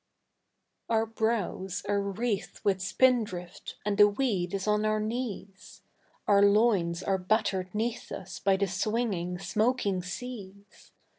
Our brows are wreathed with spindrift and the weed is on our knees; Our loins are battered 'neath us by the swinging, smoking seas.